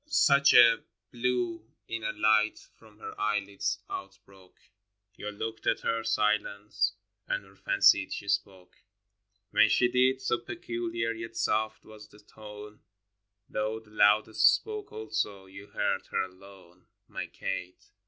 hi. Such a blue inner light from her eyelids outbroke, You looked at her silence and fancied she spoke : When she did, so peculiar yet soft was the tone, Though the loudest spoke also, you heard her alone — My Kate.